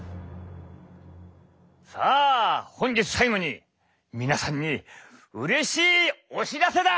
さあ本日最後に皆さんにうれしいお知らせだ！